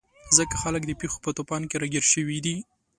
ځکه خلک د پېښو په توپان کې راګیر شوي دي.